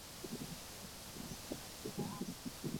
明无锡人。